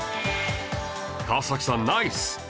川さんナイス！